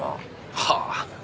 はあ！